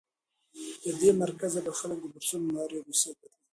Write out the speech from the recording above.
له دې مرکزه به خلک د بورسونو له لارې روسیې ته تلل.